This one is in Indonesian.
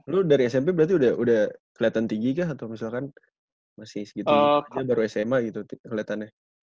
lu dari smp berarti udah keliatan tinggi kah atau misalkan masih segitu aja baru sma gitu keliatannya